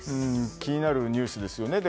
気になるニュースですよね。